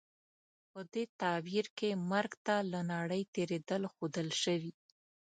په دې تعبیر کې مرګ ته له نړۍ تېرېدل ښودل شوي.